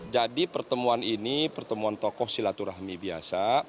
jadi pertemuan ini pertemuan tokoh silaturahmi biasa